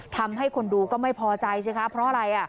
ทำให้คนดูก็ไม่พอใจสิคะเพราะอะไร